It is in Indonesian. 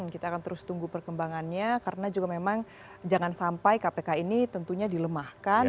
kita akan terus tunggu perkembangannya karena juga memang jangan sampai kpk ini tentunya dilemahkan